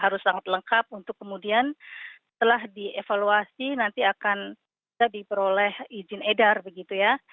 harus sangat lengkap untuk kemudian setelah dievaluasi nanti akan diperoleh izin edar begitu ya